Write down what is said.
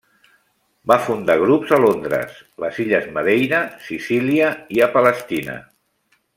Va fundar grups a Londres, les Illes Madeira, Sicília i a Palestina.